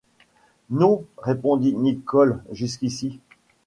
Non, répondit Nicholl, jusqu’ici.